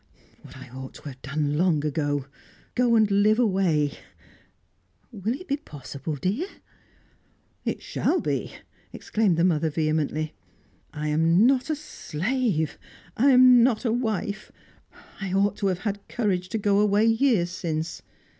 "What I ought to have done long ago go and live away " "Will it be possible, dear?" "It shall be!" exclaimed the mother vehemently. "I am not a slave I am not a wife! I ought to have had courage to go away years since.